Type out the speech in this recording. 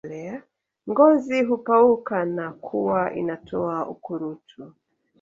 Ngozi hupauka na kuwa inatoa ukurutu